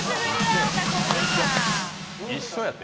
一緒やて。